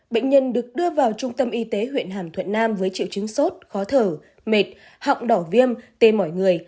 bệnh nhân được đưa vào trung tâm y tế huyện hàm thuận nam với triệu chứng sốt khó thở mệt họng đỏ viêm tê mỏi người